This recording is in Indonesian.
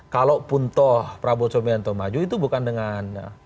kalau puntoh prabowo soebento maju itu bukan dengan